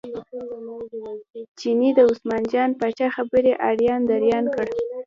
چیني د عثمان جان پاچا خبرې اریان دریان کړ.